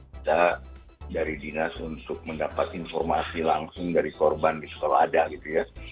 kita dari dinas untuk mendapat informasi langsung dari korban gitu kalau ada gitu ya